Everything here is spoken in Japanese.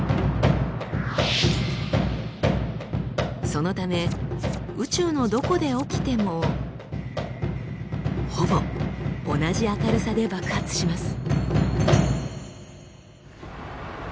そのため宇宙のどこで起きてもほぼ同じ明るさで爆発します。